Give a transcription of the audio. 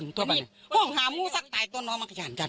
แต่ก่อนมันเลย